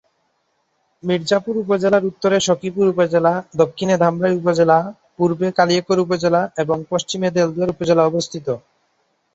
মির্জাপুর উপজেলার উত্তরে সখিপুর উপজেলা, দক্ষিণে ধামরাই উপজেলা, পুর্বে কালিয়াকৈর উপজেলা এবং পশ্চিমে দেলদুয়ার উপজেলা অবস্থিত।